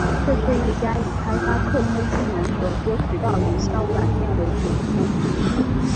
这是一家以开发客户智能和多渠道营销软件为主的公司。